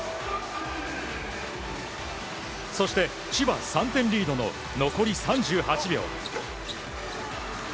そして、千葉３点リードの残り３８秒。